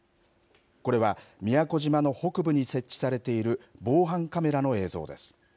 これは宮古島の北部に設置されている防犯カメラの映像です。